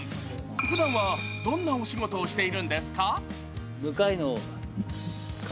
ふだんはどんなお仕事をしているんですか？